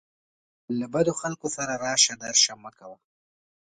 له بدو خلکو سره راشه درشه مه کوه